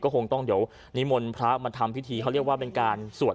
คงต้องเดี๋ยวนิมนต์พระมาทำพิธีเขาเรียกว่าเป็นการสวด